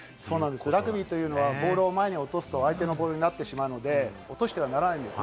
ラグビーというのはボールを前に落とすと相手のボールになってしまうので、落としてはならないんです。